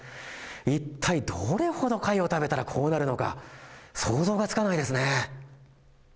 一体どれほど貝を食べたらこうなるのか、想像がつかないですね。